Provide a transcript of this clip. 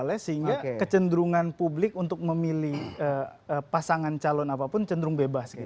sehingga kecenderungan publik untuk memilih pasangan calon apapun cenderung bebas